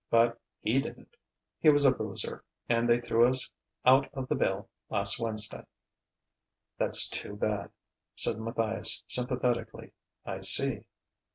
But he didn't. He was a boozer, and they threw us out of the bill last Wednesday." "That's too bad," said Matthias sympathetically. "I see."